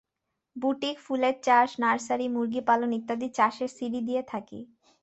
Boutique, ফুলের চাষ, nursery, মুরগি পালন ইত্যাদি চাষের সিডি দিয়ে থাকি।